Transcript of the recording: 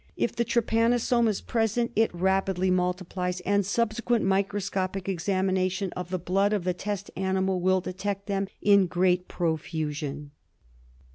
If the trypanosome is present it rapidly multiplies, and subsequent microsopic examination of the blood of the test animal will detect them in great profusion.